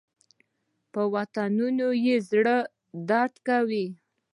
په وطنونو یې زړه درد کاوه.